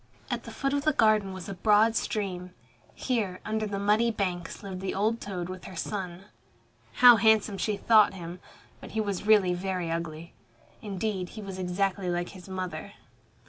At the foot of the garden was a broad stream. Here, under the muddy banks lived the old toad with her son. How handsome she thought him! But he was really very ugly. Indeed, he was exactly like his mother.